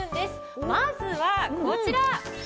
まずはこちら！